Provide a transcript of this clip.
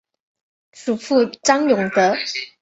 祖父张永德。